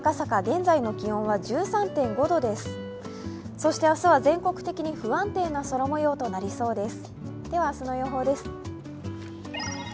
そして明日は全国的に不安定な空もようとなりそうです。